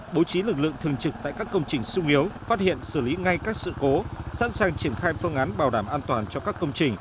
bố trí lực lượng thường trực tại các công trình sung yếu phát hiện xử lý ngay các sự cố sẵn sàng triển khai phương án bảo đảm an toàn cho các công trình